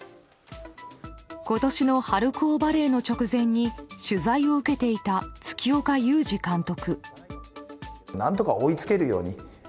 今年の春高バレーの直前に取材を受けていた月岡裕二監督。